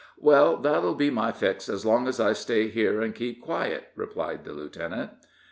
"Well, that'll be my fix as long as I stay here and keep quiet," replied the lieutenant.